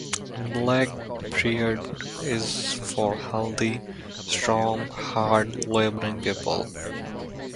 Black bread is for healthy, strong, hard-laboring people.